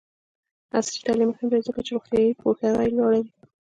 عصري تعلیم مهم دی ځکه چې روغتیایي پوهاوی لوړوي.